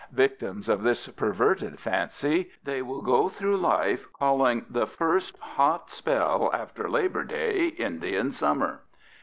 Victims of this perverted fancy, they will go through life calling the first hot spell after Labor Day Indian summer.